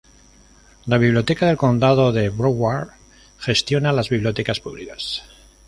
La Biblioteca del Condado de Broward gestiona las bibliotecas públicas.